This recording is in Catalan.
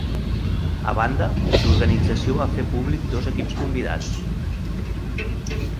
A banda, l'organització va fer públic dos equips convidats.